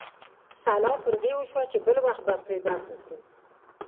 سلا پر دې وشوه چې بل وخت به پرې بحث وکړو.